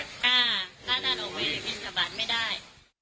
อ่าพระท่านออกไปวิงกระบาดไม่ได้